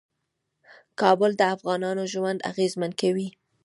کابل د افغانانو ژوند اغېزمن کوي.